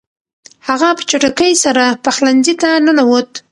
هغه په چټکۍ سره پخلنځي ته ننووت.